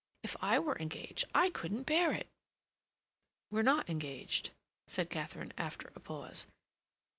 If I were engaged, I couldn't bear it!" "We're not engaged," said Katharine, after a pause.